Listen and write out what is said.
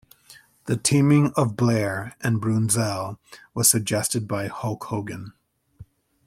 The teaming of Blair and Brunzell was suggested by Hulk Hogan.